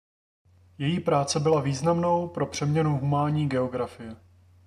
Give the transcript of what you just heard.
Její práce byla významnou pro přeměnu humánní geografie.